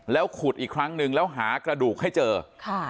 แล้วขุดอีกครั้งนึงแล้วหากระดูกให้เจอค่ะ